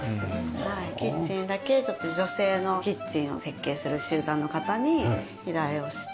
キッチンだけちょっと女性のキッチンを設計する集団の方に依頼をして。